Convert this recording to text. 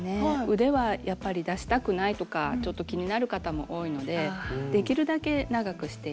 腕はやっぱり出したくないとかちょっと気になる方も多いのでできるだけ長くしています。